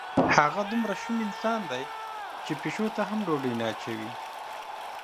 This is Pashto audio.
هغه دومره شوم انسان دی چې پیشو ته هم ډوډۍ نه اچوي.